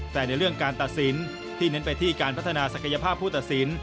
แต่ในเรื่องการตัดสินที่เน้นไปที่การพัฒนาศักยภาพผู้ตัดสิน